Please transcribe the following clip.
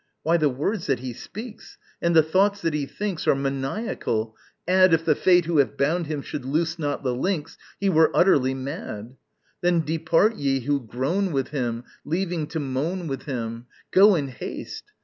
_ Why, the words that he speaks and the thoughts that he thinks Are maniacal! add, If the Fate who hath bound him should loose not the links, He were utterly mad. Then depart ye who groan with him, Leaving to moan with him, Go in haste!